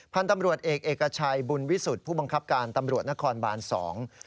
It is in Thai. พันธุ์ตำรวจเอกเอกชัยบุญวิสุทธิ์ผู้บังคับการตำรวจนครบานสอง